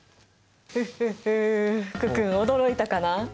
フッフッフ福君驚いたかな？